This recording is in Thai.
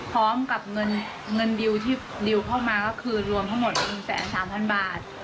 พร้อมกับเงินดิวที่ดิวเข้ามาก็คือรวมทั้งหมด๑๓๐๐๐บาท